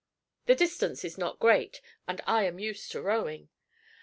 The distance is not great, and I am used to rowing.